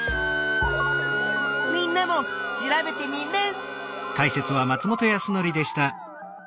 みんなも調べテミルン！